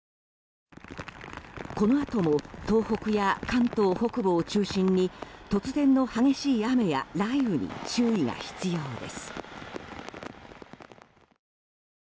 このあとも東北や関東北部を中心に突然の激しい雨や雷雨に注意が必要です。